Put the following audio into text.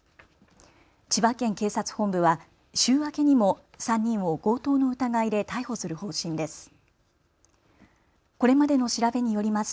千葉県警察本部は週明けにも３人を強盗の疑いで逮捕する方針です。